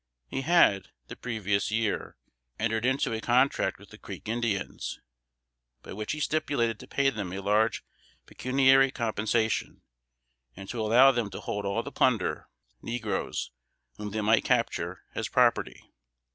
He had, the previous year, entered into a contract with the Creek Indians, by which he stipulated to pay them a large pecuniary compensation, and to allow them to hold all the plunder (negroes) whom they might capture, as property.